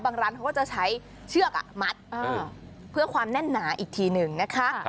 ร้านเขาก็จะใช้เชือกมัดเพื่อความแน่นหนาอีกทีหนึ่งนะคะ